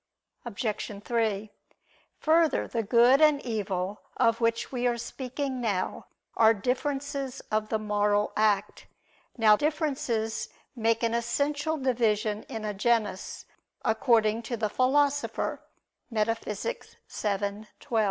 Obj. 3: Further, the good and evil of which we are speaking now are differences of the moral act. Now differences make an essential division in a genus, according to the Philosopher (Metaph. vii, 12).